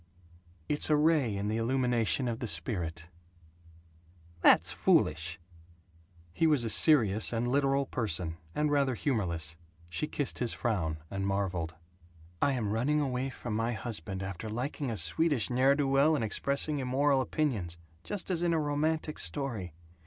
"It's a ray in the illumination of the spirit." "That's foolish." He was a serious and literal person, and rather humorless. She kissed his frown, and marveled: "I am running away from my husband, after liking a Swedish ne'er do well and expressing immoral opinions, just as in a romantic story.